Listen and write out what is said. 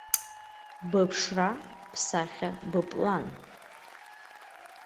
Быԥшра, бсахьа, быплан.